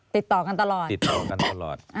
ติดต่อกันตลอด